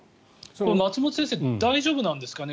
松本先生、大丈夫なんですかね。